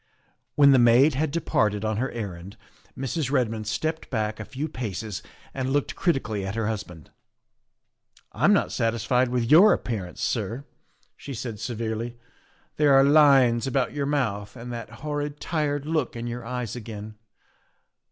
When the maid had departed on her errand Mrs. Red mond stepped back a few paces and looked critically at her husband. "I'm not satisfied with your appearance, sir," she THE SECRETARY OF STATE 129 said severely, " there are lines about your mouth and that horrid tired look in your eyes again.